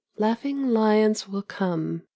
"LAUGHING LIONS WILL COME."